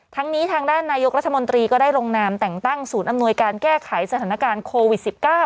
นี้ทางด้านนายกรัฐมนตรีก็ได้ลงนามแต่งตั้งศูนย์อำนวยการแก้ไขสถานการณ์โควิด๑๙